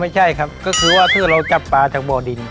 ไม่ใช่ครับก็คือว่าถ้าเราจับปลาจากบ่อดิน